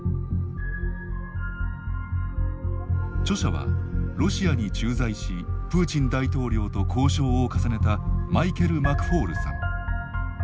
著者はロシアに駐在しプーチン大統領と交渉を重ねたマイケル・マクフォールさん。